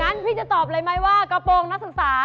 งั้นพี่จะตอบเลยไหมว่ากระโปรงนักศึกษา